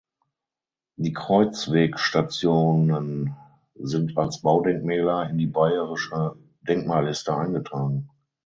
Die Kreuzwegstationen sind als Baudenkmäler in die Bayerische Denkmalliste eingetragen.